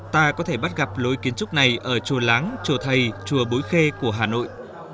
ta có thể bắt gặp lối kiến trúc này ở chùa láng chùa thầy chùa bối khê của hà nội